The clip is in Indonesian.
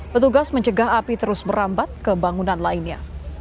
petugas mencegah api terus merambat kebangunan lainnya